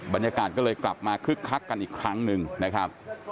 บรรยากาศก็เลยกลับมาคึกคักกันอีกครั้งหนึ่งนะครับ